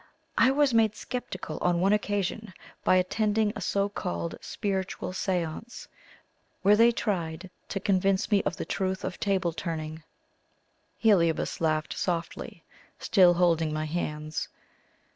I was made sceptical on one occasion, by attending a so called spiritual seance, where they tried to convince me of the truth of table turning " Heliobas laughed softly, still holding my hands.